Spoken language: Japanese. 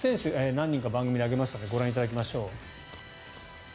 何人か番組で挙げたのでご覧いただきましょう。